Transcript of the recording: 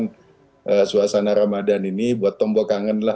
menghidupkan suasana ramadan ini buat tombok kangen lah